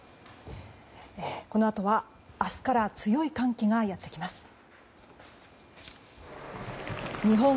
このあとは明日から強い寒気がやってきます。